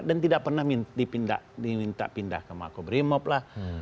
dan tidak pernah diminta pindah ke makobrimob lah